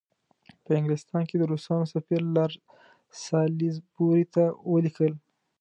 په انګلستان کې د روسانو سفیر لارډ سالیزبوري ته ولیکل.